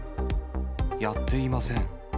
やっていません。